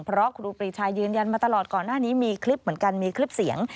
เพราะครูปรีชายืนยันมาตลอดก่อนหน้านี้มีคลิปเหมือนกันมีคลิปเสียง